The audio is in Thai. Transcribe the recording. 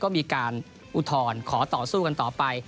ก็มีการอุทธรณ์ขอต่อสู้กันต่อไป